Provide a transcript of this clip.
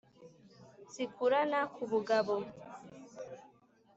zikurana ku bugabo.